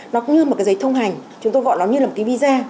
nó cũng như một cái giấy thông hành chúng tôi gọi nó như là một cái visa